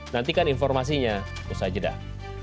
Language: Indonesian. nantikan informasinya di usaha jeddah